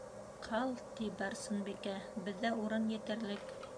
Ҡал, - ти Барсынбикә, - беҙҙә урын етерлек.